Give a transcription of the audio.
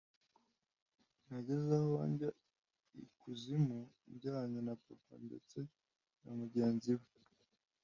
nageze aho njya I kuzimu njyanye na papa ndetse na mugenzi we,